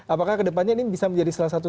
apakah ke depannya ini bisa menjadi salah satu